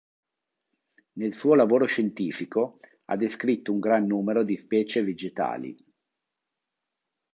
Nel suo lavoro scientifico, ha descritto un gran numero di specie vegetali.